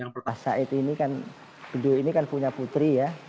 m h said ini kan punya putri ya